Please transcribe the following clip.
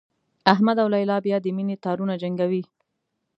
احمد او لیلا بیا د مینې تارونه جنګوي.